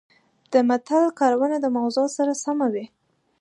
د متل کارونه د موضوع سره سمه وي